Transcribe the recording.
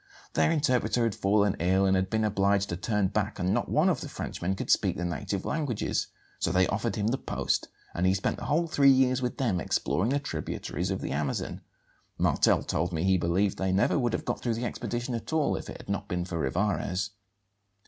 Their interpreter had fallen ill and been obliged to turn back; and not one of the Frenchmen could speak the native languages; so they offered him the post, and he spent the whole three years with them, exploring the tributaries of the Amazon. Martel told me he believed they never would have got through the expedition at all if it had not been for Rivarez."